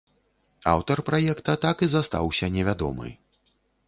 Аўтар праекта так і застаўся невядомы.